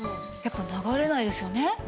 やっぱり流れないですよね。